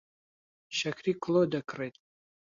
شەکری کڵۆ دەکڕێت.